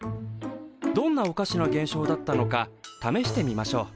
どんなおかしな現象だったのかためしてみましょう。